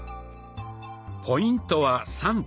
ポイントは３点。